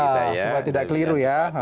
supaya tidak keliru ya